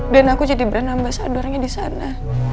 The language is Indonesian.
dan aku jadi bernama sadurnya disana